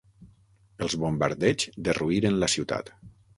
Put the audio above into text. Els bombardeigs derruïren la ciutat.